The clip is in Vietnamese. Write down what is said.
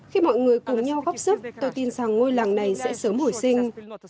khi mọi người cùng nhau góp sức tôi tin rằng ngôi làng này sẽ sớm hồi sinh